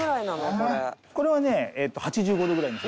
「これはね８５度ぐらいの設定」